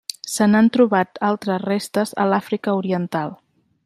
Se n'han trobat altres restes a l'Àfrica oriental.